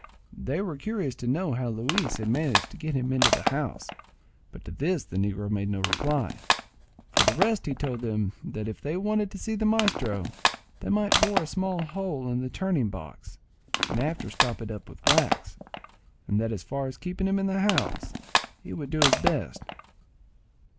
They were curious to know how Luis had managed to get him into the house; but to this the negro made no reply. For the rest he told them that if they wanted to see the maestro, they might bore a small hole in the turning box and afterwards stop it up with wax; and that as for keeping him in the house, he would do his best.